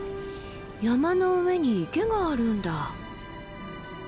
山の上に池があるんだ。